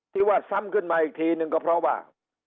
ที่ว่าซ้ำขึ้นมาอีกทีนึงก็เพราะว่า